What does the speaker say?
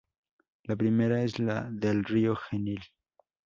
La primera es la del río Genil.